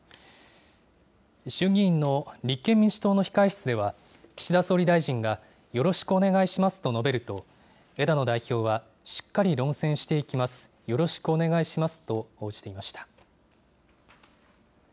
衆議院の立憲民主党の控室では、岸田総理大臣がよろしくお願いしますと述べると、枝野代表は、しっかり論戦していきます、よろしくお願いしますと応じていました。